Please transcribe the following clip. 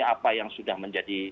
apa yang sudah menjadi